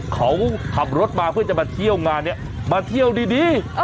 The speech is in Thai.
เขาขับรถมาเพื่อจะมาเที่ยวงานนี้มาเที่ยวดี